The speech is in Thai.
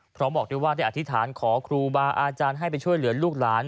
บอกด้วยว่าได้อธิษฐานขอครูบาอาจารย์ให้ไปช่วยเหลือลูกหลาน